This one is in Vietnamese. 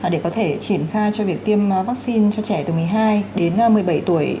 để có thể triển khai cho việc tiêm vaccine cho trẻ từ một mươi hai đến một mươi bảy tuổi